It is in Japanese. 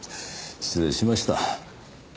失礼しました。